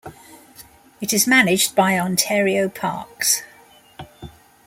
It is managed by Ontario Parks.